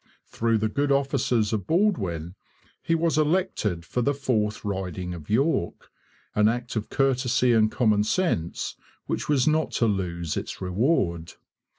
Through the good offices of Baldwin he was elected for the fourth riding of York, an act of courtesy and common sense which was not to lose its reward.